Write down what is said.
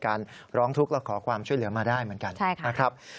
ร้องทุกข์และขอความช่วยเหลือมาได้เหมือนกันนะครับ